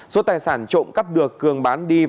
số tài sản trộm cắp được cường bán đi